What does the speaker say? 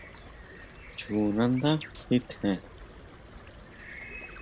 Chú nandá ji tjen.